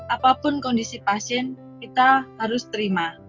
apapun kondisi pasien kita harus terima